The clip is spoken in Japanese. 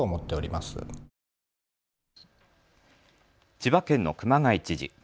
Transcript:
千葉県の熊谷知事。